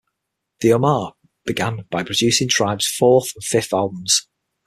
The Ummah began by producing Tribe's fourth and fifth albums.